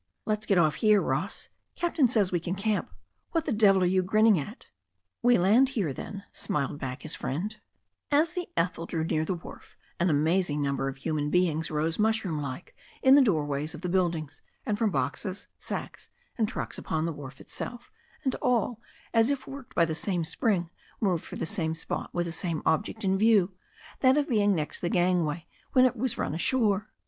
"Let's get off here, Ross. Captain says we can camp— what the devil are you grinning at?" *We land here then," smiled back his friend. tt^ \ THE STORY OF A NEW ZEALAND RIVER 265 As the Ethel drew near the wharf, an amazing number of human beings rose mushroomlike in the doorways of the buildings, and from boxes, sacks, and trucks upon the wharf itself, and all, as if worked by the same spring, moved for the same spot with the same object in view — ^that of being next the gangway when it was run ashore.